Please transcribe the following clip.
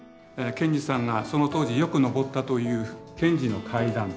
賢治さんがその当時よく上ったという「賢治の階段」。